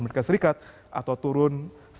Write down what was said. amerika serikat atau turun